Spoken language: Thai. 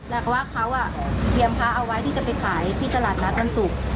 แล้วก็ว่าเขาเฮียมพ้าเอาไว้ที่จะไปขายที่จัดรัฐนัทมันสุข